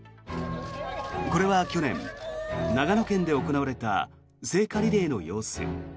これは去年、長野県で行われた聖火リレーの様子。